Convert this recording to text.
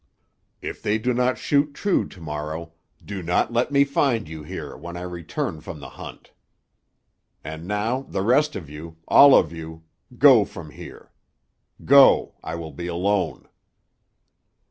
If they do not shoot true to morrow, do not let me find you here when I return from the hunt. And now the rest of you—all of you—go from here. Go, I will be alone."